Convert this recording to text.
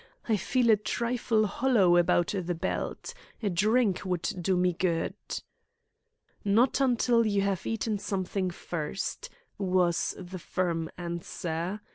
I feel a trifle hollow about the belt. A drink would do me good." "Not until you have eaten something first," was the firm answer.